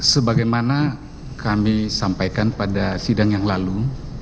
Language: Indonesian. sebagaimana kami sampaikan pada sidang yang lalu